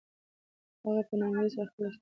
هغه په ناامیدۍ سره خپل لښکر ته راستون شو.